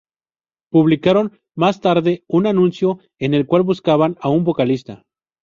Publicaron más tarde un anuncio en el cual buscaban a un vocalista.